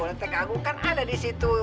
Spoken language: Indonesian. leteng agung kan ada disitu